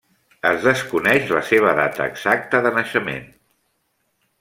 Es desconeix la seva data exacta de naixement.